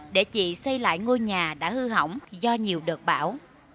để chị xây lại ngôi nhà đã hư hỏng do nhiều đợt bão